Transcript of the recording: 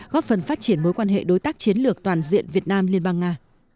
góp phần phát triển mối quan hệ đối tác chiến lược toàn diện việt nam liên bang nga